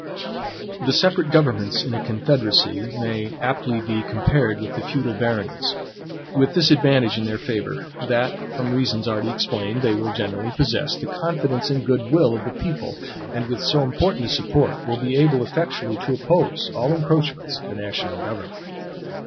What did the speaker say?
The separate governments in a confederacy may aptly be compared with the feudal baronies; with this advantage in their favor, that from the reasons already explained, they will generally possess the confidence and good will of the people, and with so important a support, will be able effectually to oppose all encroachments of the national government.